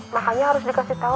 makanya harus dikasih tahu